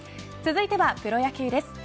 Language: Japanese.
続いてはプロ野球です。